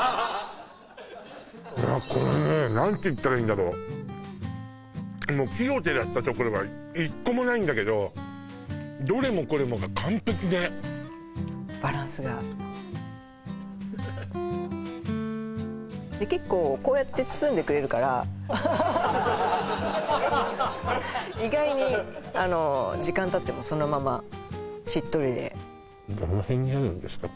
これね何て言ったらいいんだろ奇をてらったところは一個もないんだけどどれもこれもが完璧でバランスが結構こうやって包んでくれるから意外に時間たってもそのまましっとりでどの辺にあるんですか？